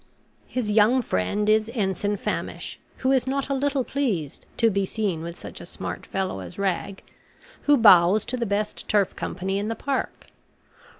His young friend is Ensign Famish, who is not a little pleased to be seen with such a smart fellow as Rag, who bows to the best turf company in the Park.